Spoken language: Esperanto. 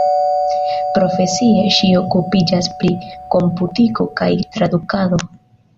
Profesie ŝi okupiĝas pri komputiko kaj tradukado.